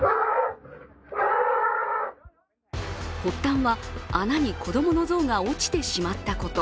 発端は、穴に子供のゾウが落ちてしまったこと。